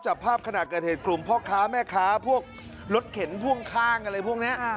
จับภาพขณะเกิดเหตุกลุ่มพ่อค้าแม่ค้าพวกรถเข็นพ่วงข้างอะไรพวกนี้